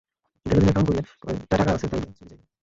গেল দিনের কাম করিয়া কয়টা টাকা আছে তায় দিয়া চলি যাইবে।